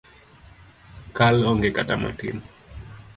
Kal onge kata matin